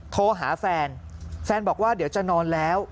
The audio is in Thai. โทรหาแฟนแฟนบอกว่าเดี๋ยวจะนอนแล้ว